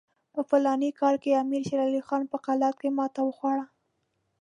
په فلاني کال کې امیر شېر علي خان په قلات کې ماته وخوړه.